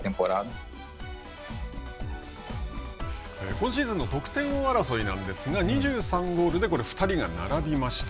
今シーズンの得点王争いなんですが２３ゴールで２人が並びました。